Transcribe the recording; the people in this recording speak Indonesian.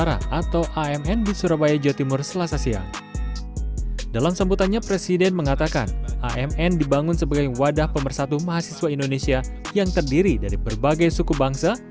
asrama masi suanusantara